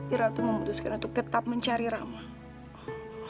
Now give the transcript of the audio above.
tapi ratu memutuskan untuk tetap mencari ramah